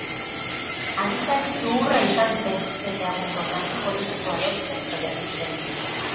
Agintari zuhurra izan zen eta egonkortasun politikoa lortzen saiatu zen.